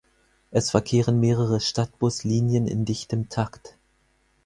Es verkehren mehrere Stadtbuslinien in dichtem Takt.